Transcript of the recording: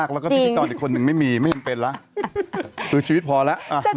แล้วพี่ก่อนอีกคนนึงไม่มีไม่ต้องก็จัด